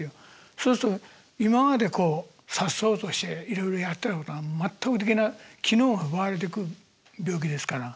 そうすると今までさっそうとしていろいろやってたことが全くできない機能が奪われてく病気ですから。